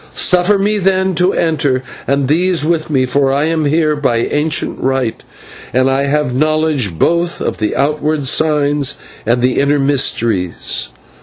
Suffer me, then, to enter, and these with me, for I am here by ancient right, and I have knowledge both of the outward signs and the inner mysteries."